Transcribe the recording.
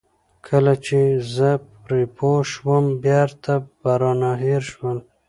کله چې زه پرې پوه شوم بېرته به رانه هېر شول.